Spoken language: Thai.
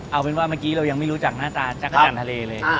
เอาเป็นว่าเมื่อกี้เรายังไม่รู้จักหน้าตาจักรจันทร์ทะเลเลย